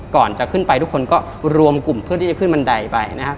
ก่อนจะขึ้นไปทุกคนก็รวมกลุ่มเพื่อที่จะขึ้นบันไดไปนะครับ